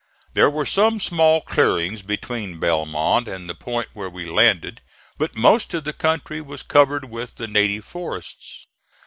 There were some small clearings between Belmont and the point where we landed, but most of the country was covered with the native forests.